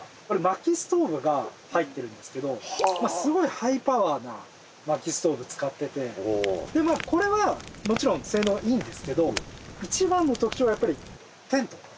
これ薪ストーブが入ってるんですけどすごいハイパワーな薪ストーブ使っててでまあこれはもちろん性能いいんですけど一番の特徴はやっぱりテント。